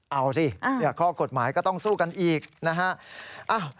เอาสิข้อกฎหมายก็ต้องสู้กันอีกนะฮะ